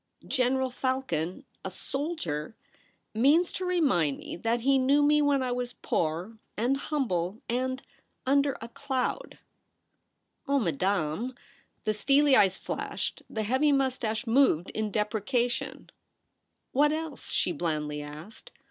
* General Falcon — a soldier — means to remind me that he knew me when I was poor and humble, and under a cloud.' ' Oh, madame !' The steely eyes flashed ; the heavy mous tache moved in deprecation. * What else ?' she blandly asked.